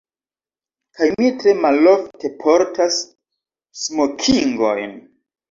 Kaj mi tre malofte portas smokingojn.